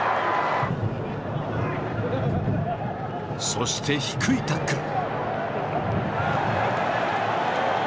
そして低いタックル！